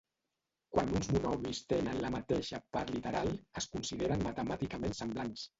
Quan uns monomis tenen la mateixa part literal es consideren matemàticament semblants.